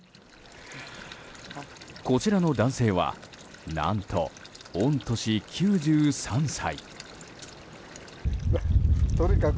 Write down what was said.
こちらの男性は何と、御年９３歳。